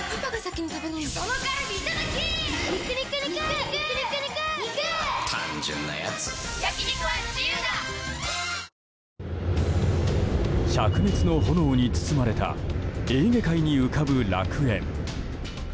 絶好調あぁ灼熱の炎に包まれたエーゲ海に浮かぶ楽園。